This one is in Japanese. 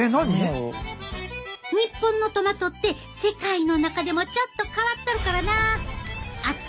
日本のトマトって世界の中でもちょっと変わっとるからなあ。